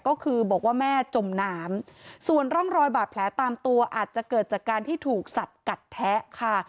ก็คือบอกว่าแม่จมน้ำส่วนร่องรอยบาดแผลตามตัวอาจจะเกิดจากการที่ถูกสัตว์กัดแทะค่ะ